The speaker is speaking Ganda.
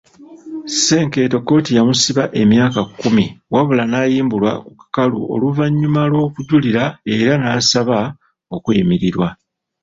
Senkeeto kkooti yamusiba emyaka kumi wabula n'ayimbulwa ku kakalu oluvannyuma lw'okujulira era n'asaba okweyimirirwa.